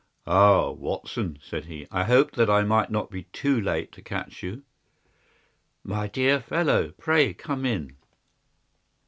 "Ah, Watson," said he, "I hoped that I might not be too late to catch you." "My dear fellow, pray come in."